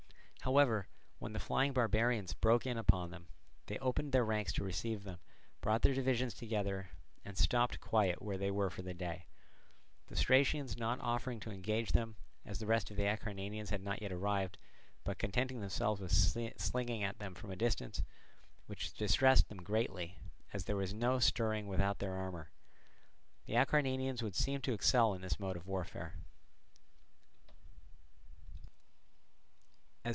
However, when the flying barbarians broke in upon them, they opened their ranks to receive them, brought their divisions together, and stopped quiet where they were for the day; the Stratians not offering to engage them, as the rest of the Acarnanians had not yet arrived, but contenting themselves with slinging at them from a distance, which distressed them greatly, as there was no stirring without their armour. The Acarnanians would seem to excel in this mode of warfare.